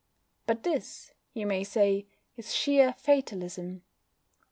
But this, you may say, is sheer Fatalism.